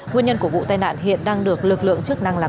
nguyên nhân của vụ tai nạn hiện đang được lực lượng chức năng làm rõ